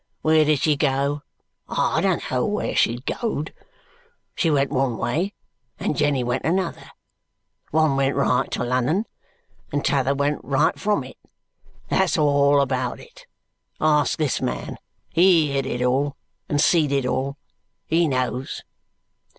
Where did she go? I don't know where she go'd. She went one way, and Jenny went another; one went right to Lunnun, and t'other went right from it. That's all about it. Ask this man. He heerd it all, and see it all. He knows."